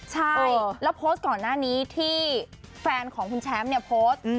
ใช่แล้วโพสต์ก่อนหน้านี้ที่แฟนของคุณแชมป์เนี่ยโพสต์